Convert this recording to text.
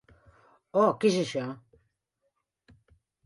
Oh, què és això?